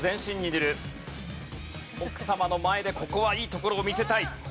奥様の前でここはいいところを見せたい。